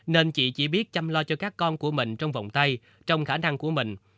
nên chị chỉ biết chăm lo cho các con của mình trong vòng tay trong khả năng của mình